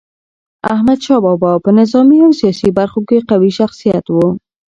احمد شاه بابا په نظامي او سیاسي برخو کي قوي شخصیت و.